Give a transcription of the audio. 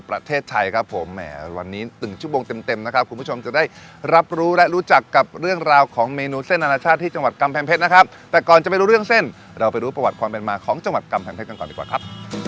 เราไปดูประวัติความเป็นมาของจังหวัดกำแพงเพชรกันก่อนดีกว่าครับ